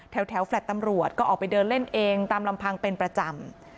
แฟลต์ตำรวจก็ออกไปเดินเล่นเองตามลำพังเป็นประจำ